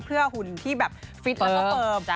เพื่อหุ่นที่ฟิตและก็เพิ่ม